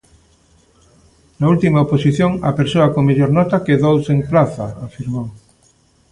Na última oposición, a persoa con mellor nota quedou sen praza, afirmou.